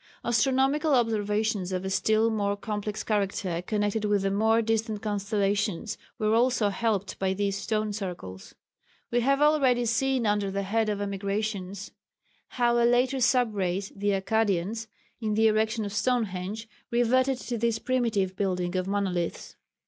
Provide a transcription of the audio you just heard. Astronomical observations of a still more complex character connected with the more distant constellations were also helped by these stone circles. We have already seen under the head of emigrations how a later sub race the Akkadians in the erection of Stonehenge, reverted to this primitive building of monoliths.